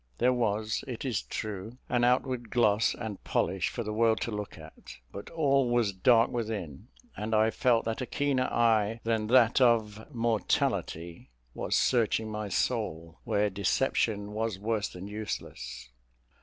There was, it is true, an outward gloss and polish for the world to look at; but all was dark within: and I felt that a keener eye than that of mortality was searching my soul, where deception was worse than useless.